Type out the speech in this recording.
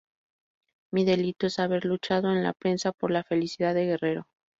Mi delito es haber luchado en la prensa por la felicidad de Guerrero.